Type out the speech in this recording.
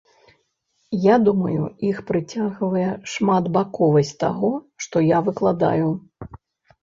Я думаю, іх прыцягвае шматбаковасць таго, што я выкладаю.